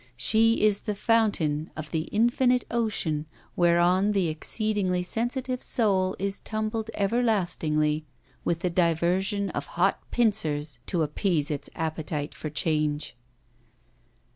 She is the fountain of the infinite ocean whereon the exceedingly sensitive soul is tumbled everlastingly, with the diversion of hot pincers to appease its appetite for change.